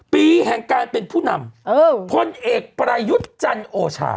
ปีแห่งการเป็นผู้นำพลเอกประยุทธ์จันโอชา